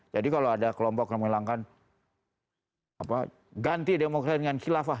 jadi kalau ada kelompok yang menghilangkan ganti demokrasi dengan khilafah